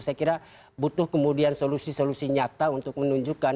saya kira butuh kemudian solusi solusi nyata untuk menunjukkan